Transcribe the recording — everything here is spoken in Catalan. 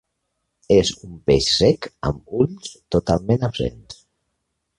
És un peix cec amb ulls totalment absents.